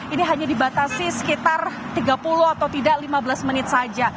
ini hanya dibatasi sekitar tiga puluh atau tidak lima belas menit saja